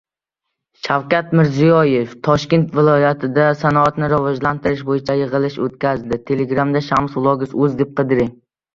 Shavkat Mirziyoyev Toshkent viloyatida sanoatni rivojlantirish bo‘yicha yig‘ilish o‘tkazdi